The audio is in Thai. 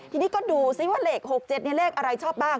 ทีนี้ก็ดูซิว่าเลข๖๗เลขอะไรชอบบ้าง